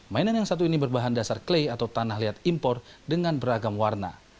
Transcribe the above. mainan yang satu ini berbahan dasar klay atau tanah liat impor dengan beragam warna